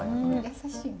優しい。